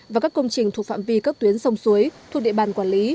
và các công trình thuộc phạm vi các tuyến sông suối thuộc địa bàn quản lý